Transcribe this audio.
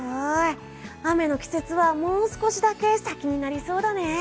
雨の季節はもう少しだけ先になりそうだね。